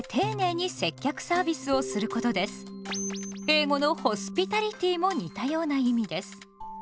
英語の「ホスピタリティ」も似たような意味です。